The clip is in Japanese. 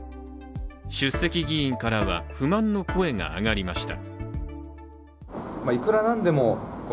出席議員からは不満の声が上がりました。